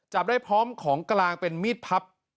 จับได้พร้อมของกลางเป็นมีดพับ